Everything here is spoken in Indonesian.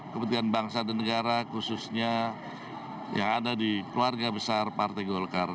kepentingan bangsa dan negara khususnya yang ada di keluarga besar partai golkar